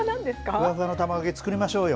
ふわふわの卵焼き作りましょうよ。